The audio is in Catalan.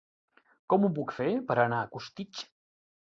Com ho puc fer per anar a Costitx?